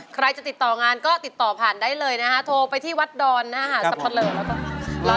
ใครจะติดต่องานก็ติดต่อผ่านได้เลยนะคะโทรไปที่วัดดอนนะฮะสับปะเลอแล้วก็